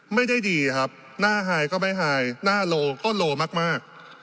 ไม่ได้ดีครับหน้าหายก็ไม่หายหน้าโลก็โลมาก